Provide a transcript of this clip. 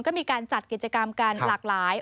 ก็มีการจัดกิจกรรมกันหลากหลาย